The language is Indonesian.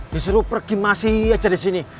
disuruh pergi masih aja disini